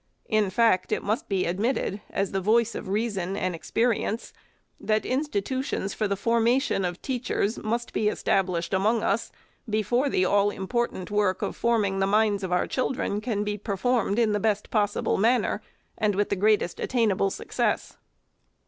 In fact, it must be admitted, as the voice of reason and experience, that institutions for the formation of teachers must be established among us, OF THE BOARD OF EDUCATION. 377 before the all important work of forming the minds of our children can be performed in the best possible man ner, and with the greatest attainable success.